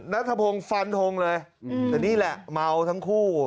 นัทพงศ์ฟันทงเลยแต่นี่แหละเมาทั้งคู่